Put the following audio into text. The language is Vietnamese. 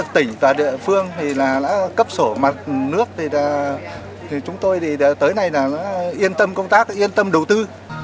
tỉnh và địa phương đã cấp sổ mặt nước chúng tôi tới nay yên tâm công tác yên tâm đầu tư